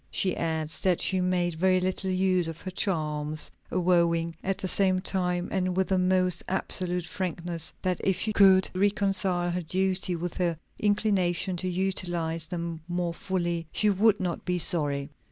She adds that she made very little use of her charms; avowing at the same time, and with the most absolute frankness, that if she could reconcile her duty with her inclination to utilize them more fully, she would not be sorry.